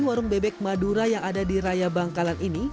warung bebek madura yang ada di raya bangkalan ini